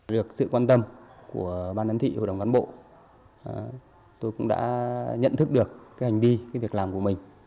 được sự quan tâm của ban giám thị hội đồng cán bộ tôi cũng đã nhận thức được hành vi việc làm của mình